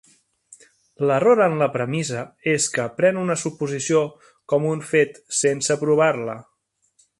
L'error en la premissa és que pren una suposició com un fet sense provar-la.